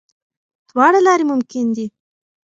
دواړه لارې ممکن دي.